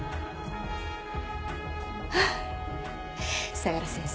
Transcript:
相良先生。